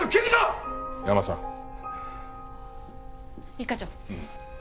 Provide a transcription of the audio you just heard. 一課長。